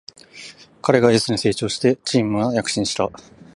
彼がエースに成長してチームは躍進した